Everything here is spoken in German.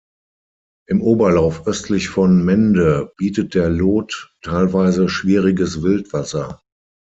Im Oberlauf östlich von Mende bietet der Lot teilweise schwieriges Wildwasser.